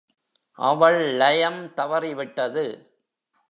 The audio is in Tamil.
அவள் லயம் தவறிவிட்டது.